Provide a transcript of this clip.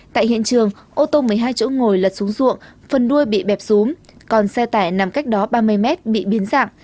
tại hiện trường ô tô một mươi hai chỗ ngồi lật xuống ruộng phần đuôi bị bẹp xuống còn xe tải nằm cách đó ba mươi mét bị biến dạng